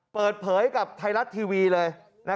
เปิดเผยกับไทยรัฐทีวีเลย